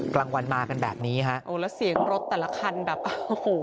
กลางวันมากันแบบนี้ฮะโอ้แล้วเสียงรถแต่ละคันแบบโอ้โห